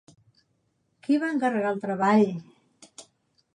Qui va encarregar el treball?